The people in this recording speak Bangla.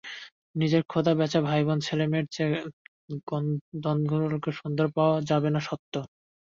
নিজের খ্যাঁদা বোঁচা ভাইবোন ছেলেমেয়ের চেয়ে গন্ধর্বলোকেও সুন্দর পাওয়া যাবে না সত্য।